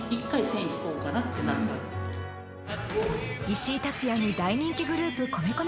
石井竜也に大人気グループ米米